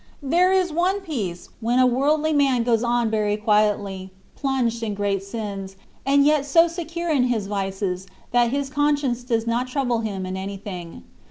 There is one peace, when a worldly man goes on very quietly, plunged in great sins, and yet so secure in his vices, that his conscience does not trouble him in anything.